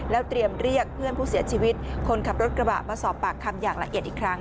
เตรียมเรียกเพื่อนผู้เสียชีวิตคนขับรถกระบะมาสอบปากคำอย่างละเอียดอีกครั้ง